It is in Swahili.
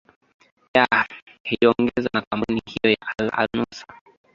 yo iliongezwa na kampuni hiyo ya al alusunah